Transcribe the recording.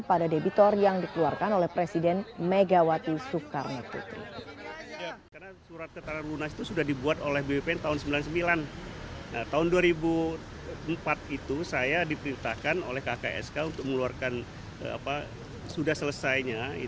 pada debitor yang dikeluarkan oleh presiden megawati soekarno putri